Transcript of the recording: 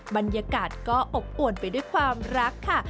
บรรยากาศก็อบอวนไปด้วยความรักค่ะ